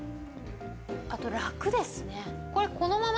あと楽ですね。